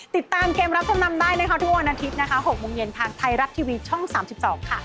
ติดตามเกมรับจำนำได้นะคะทุกวันอาทิตย์นะคะ๖โมงเย็นทางไทยรัฐทีวีช่อง๓๒ค่ะ